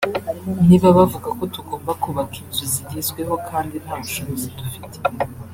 niba bavuga ko tugomba kubaka inzu zigezweho kandi nta bushobozi dufite